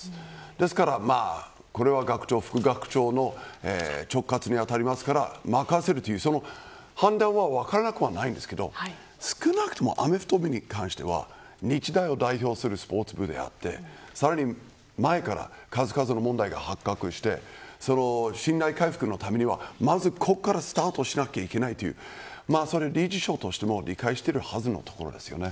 ですから、学長、副学長の直轄に当たりますから任せるという判断は分からなくはないんですけど少なくともアメフト部に関しては日大を代表するスポーツ部であってさらに前から数々の問題が発覚してその信頼回復のためにはまずここからスタートをしなきゃいけないという理事長としても理解しているはずのところですよね。